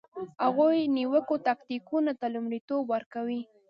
هغوی نویو تکتیکونو ته لومړیتوب ورکوي